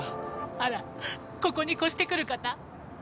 あらここに越して来る方？